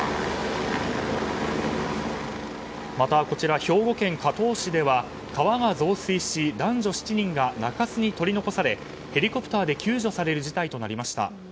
また、兵庫県加東市では川が増水し男女７人が中州に取り残されヘリコプターで救助される事態となりました。